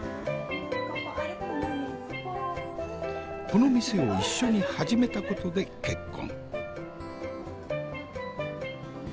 この店を一緒に始めたことで結婚。